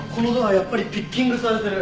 やっぱりピッキングされてる。